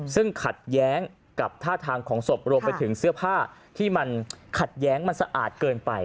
ซึ่งขัดแย้งกับท่าทางของศพรวมไปถึงเสื้อผ้าที่มันขัดแย้งมันสะอาดเกินไป